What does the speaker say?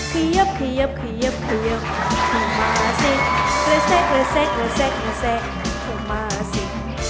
ขยับขยับขยับขยับขโมมาสิ